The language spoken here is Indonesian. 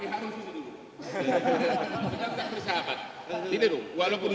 ini dong walaupun sudah tiga puluh lima enggak apa apa